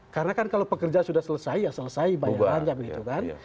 karena kan kalau pekerjaan sudah selesai ya selesai banyak banyak